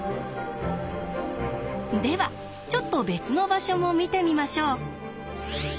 ではちょっと別の場所も見てみましょう。